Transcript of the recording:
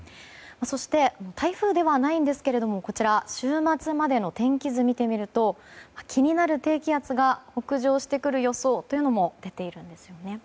そして、台風ではないんですが週末までの天気図を見てみると気になる低気圧が北上してくる予想も出ています。